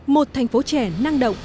một thành phố trẻ năng động